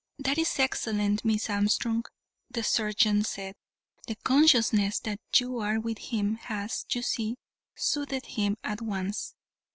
"That is excellent, Miss Armstrong," the surgeon said; "the consciousness that you are with him has, you see, soothed him at once.